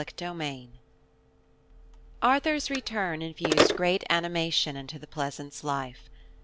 CHAPTER XIV ARTHUR'S return infused great animation into the Pleasance life.